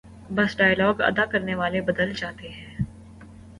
بس ڈائیلاگ ادا کرنے والے بدل جاتے ہیں۔